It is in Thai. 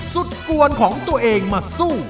กวนของตัวเองมาสู้